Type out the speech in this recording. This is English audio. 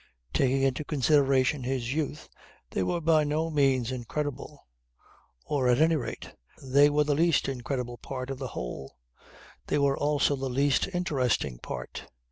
Taking into consideration his youth they were by no means incredible; or, at any rate, they were the least incredible part of the whole. They were also the least interesting part.